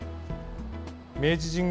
明治神宮